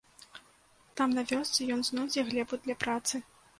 Там, на вёсцы, ён знойдзе глебу для працы.